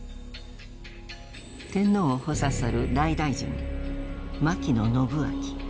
天皇を補佐する内大臣牧野伸顕。